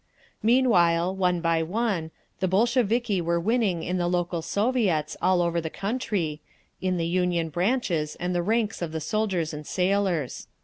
Meanwhile, one by one, the Bolsheviki were winning in the local Soviets all over the country, in the Union branches and the ranks of the soldiers and sailors.